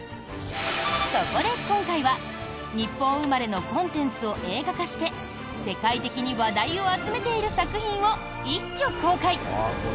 そこで、今回は日本生まれのコンテンツを映画化して世界的に話題を集めている作品を一挙公開！